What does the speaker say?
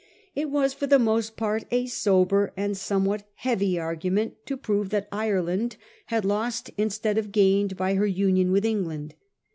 It was for the most part a sober and somewhat heavy argument to prove that Ireland had lost instead of gained by her union with England.